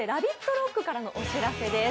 ＲＯＣＫからのお知らせです。